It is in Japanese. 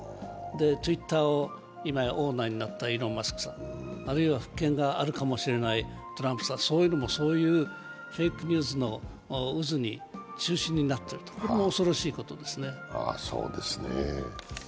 今ツイッターのオーナーになったイーロン・マスクさんあるいは復権があるかもしれないトランプさん、そういうのもフェイクニュースの渦の中心になっているのが恐ろしいことですね。